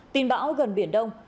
tình bão gần biển đông